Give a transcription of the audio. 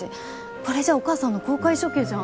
これじゃお母さんの公開処刑じゃん。